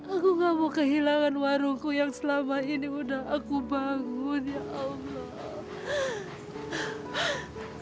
aku gak mau kehilangan warungku yang selama ini udah aku bangun ya allah